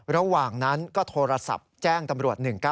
ระหว่างนั้นก็โทรศัพท์แจ้งตำรวจ๑๙๙